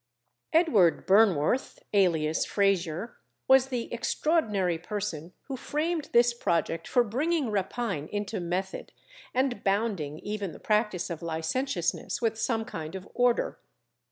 Edward Burnworth, alias Frazier, was the extraordinary person who framed this project for bringing rapine into method, and bounding even the practice of licentiousness with some kind of order.